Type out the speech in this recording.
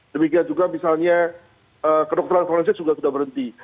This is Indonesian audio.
demikian juga misalnya kedokteran forensik juga sudah berhenti